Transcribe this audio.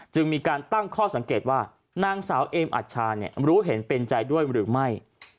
จึงมีการตั้งข้อสังเกตว่านางสาวเอมอัชชารู้เห็นเป็นใจด้วยหรือไม่